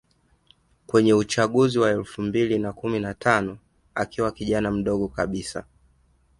kwenye uchaguzi wa elfu mbili kumi na tano akiwa kijana mdogo kabisa